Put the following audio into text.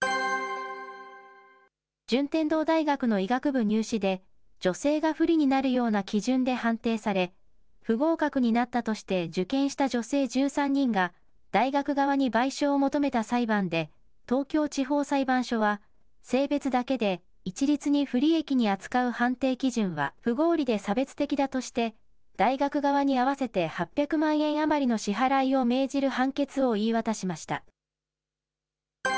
順天堂大学の医学部入試で、女性が不利になるような基準で判定され、不合格になったとして、受験した女性１３人が、大学側に賠償を求めた裁判で、東京地方裁判所は、性別だけで、一律に不利益に扱う判定基準は、不合理で差別的だとして、大学側に合わせて８００万円余りの支払いを命じる判決を言い渡しました。